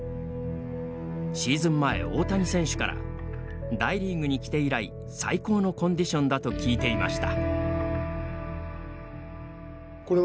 シーズン前、大谷選手から大リーグに来て以来最高のコンディションだと聞いていました。